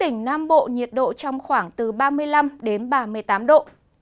nam bộ nhiệt độ trong khoảng từ ba mươi năm đến ba mươi tám độ